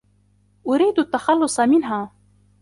أريد التخلّص منها.